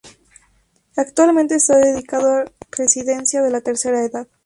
Actualmente está dedicado a residencia de la tercera edad.